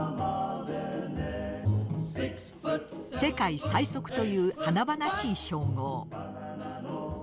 世界最速という華々しい称号。